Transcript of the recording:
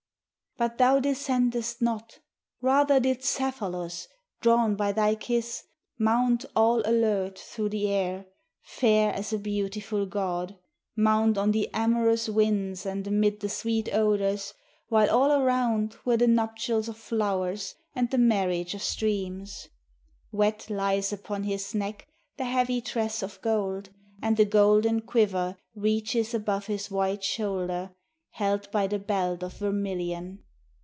But thou descendedst not; rather did Cephalus, drawn by thy kiss, Mount all alert through the air, fair as a beautiful god, Mount on the amorous winds and amid the sweet odors, While all around were the nuptials of flowers and the marriage of streams. Wet lies upon his neck the heavy tress of gold, and the golden quiver Reaches above his white shoulder, held by the belt of vermilion.